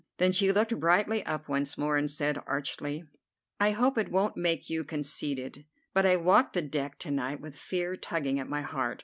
Then she looked brightly up once more, and said archly: "I hope it won't make you conceited, but I walked the deck to night with fear tugging at my heart.